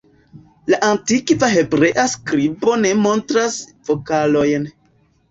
La antikva hebrea skribo ne montras vokalojn.